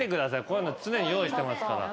こういうの常に用意してますから。